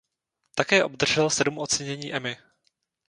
Také obdržel sedm ocenění Emmy.